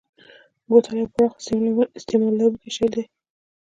بوتل یو پراخ استعمال لرونکی شی دی.